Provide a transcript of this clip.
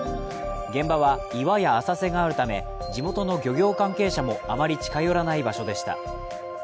現場は岩や浅瀬があるため、地元の漁業関係者もあまり近寄らない場所でした。